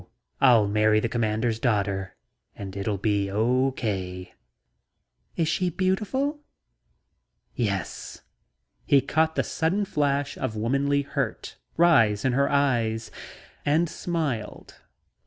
I'll marry the Commander's daughter and it'll all be okay." "Is she beautiful?" "Yes." He caught the sudden flash of womanly hurt rise in her eyes and smiled.